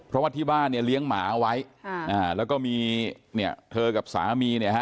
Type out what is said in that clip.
เพราะว่าที่บ้านเนี่ยเลี้ยงหมาไว้แล้วก็มีเนี่ยเธอกับสามีเนี่ยฮะ